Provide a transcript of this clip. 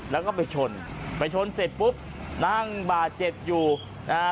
แล้วก็ไปชนไปชนเสร็จปุ๊บนั่งบาดเจ็บอยู่นะฮะ